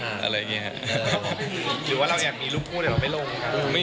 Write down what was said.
หรือว่าเราอยากมีลุมคู่เดี๋ยวเราไปลงครับ